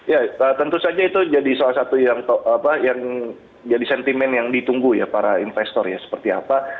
ya tentu saja itu jadi salah satu yang jadi sentimen yang ditunggu ya para investor ya seperti apa